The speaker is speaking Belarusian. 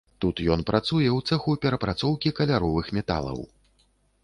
Тут ён працуе ў цэху перапрацоўкі каляровых металаў.